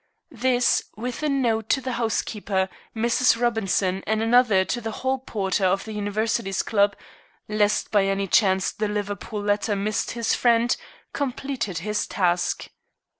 This, with a note to the housekeeper, Mrs. Robinson, and another to the hall porter of the Universities Club, lest by any chance the Liverpool letter missed his friend, completed his task.